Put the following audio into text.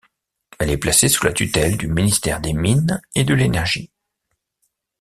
Elle est placée sous la tutelle du Ministère des mines et de l'énergie.